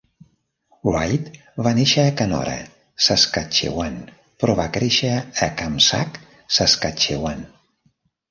Wright va néixer a Canora, Saskatchewan, però va créixer a Kamsack, Saskatchewan.